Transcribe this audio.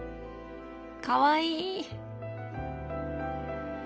かわいい！